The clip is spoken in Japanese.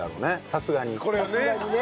さすがにね。